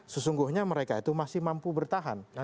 sesungguhnya mereka itu masih mampu bertahan